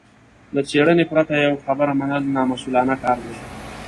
له څېړنې پرته يوه خبره منل نامسوولانه کار دی.